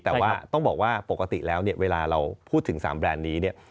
แต่ว่าต้องบอกว่าปกติแล้วเวลาเราพูดถึง๓แบรนด์นี้